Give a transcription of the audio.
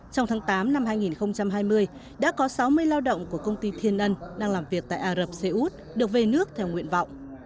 trong tháng tám năm hai nghìn hai mươi đã có sáu mươi lao động của công ty thiên ân đang làm việc tại ả rập xê út được về nước theo nguyện vọng